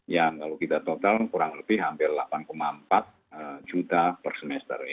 yang kalau kita total kurang lebih hampir delapan empat juta per semester